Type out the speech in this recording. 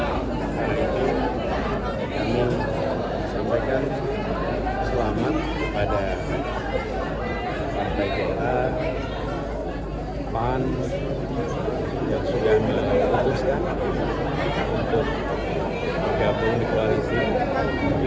karena itu kami sampaikan selamat kepada bgk pan yang sudah melakukan usaha untuk menggabung di kualitas ini